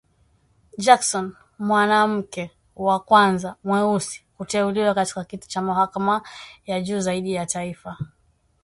Jackson, mwanamke wa kwanza mweusi kuteuliwa katika kiti cha mahakama ya juu zaidi ya taifa,